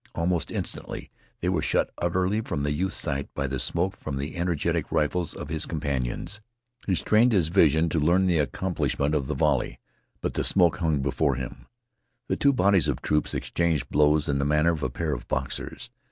Almost instantly they were shut utterly from the youth's sight by the smoke from the energetic rifles of his companions. He strained his vision to learn the accomplishment of the volley, but the smoke hung before him. The two bodies of troops exchanged blows in the manner of a pair of boxers.